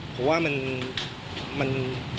เพราะว่ามันมัน